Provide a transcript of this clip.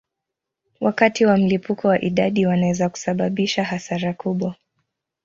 Wakati wa mlipuko wa idadi wanaweza kusababisha hasara kubwa.